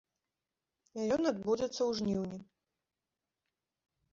Ён адбудзецца ў жніўні.